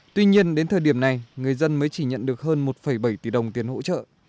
tuy nhiên đến thời điểm này người dân mới chỉ nhận được hơn một bảy tỷ đồng tiền hỗ trợ